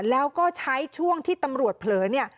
แล้วก็ใช้ช่วงที่ตำรวจเผลอเนี่ย